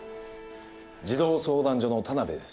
児童相談所の田辺です。